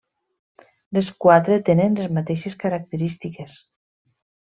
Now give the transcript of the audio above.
Les quatre tenen les mateixes característiques.